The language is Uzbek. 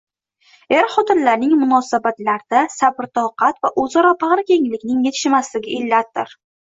Er-xotinlarning munosabatlarida sabr-toqat va o‘zaro bag‘rikenglikning yetishmasligi illatdir.